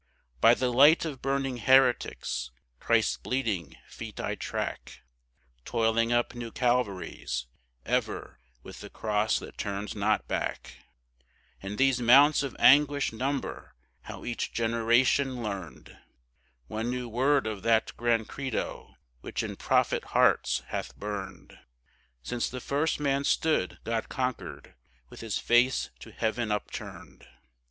By the light of burning heretics Christ's bleeding feet I track, Toiling up new Calvaries ever with the cross that turns not back, And these mounts of anguish number how each generation learned One new word of that grand Credo which in prophet hearts hath burned Since the first man stood God conquered with his face to heaven upturned.